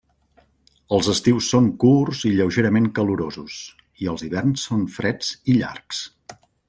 Els estius són curts i lleugerament calorosos i els hiverns són freds i llargs.